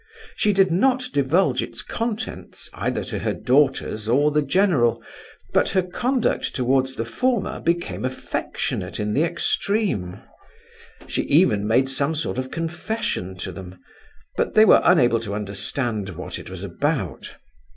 She did not divulge its contents either to her daughters or the general, but her conduct towards the former became affectionate in the extreme. She even made some sort of confession to them, but they were unable to understand what it was about.